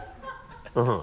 うん。